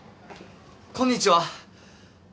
こんにちは。